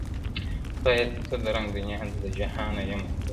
خدایه څه د رنګ دنیا ده له جهانه یمه ستړی-